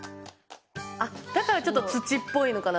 だからちょっと土っぽいのかな？